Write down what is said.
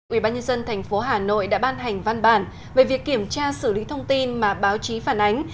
ủy ban nhân dân tp hà nội đã ban hành văn bản về việc kiểm tra xử lý thông tin mà báo chí phản ánh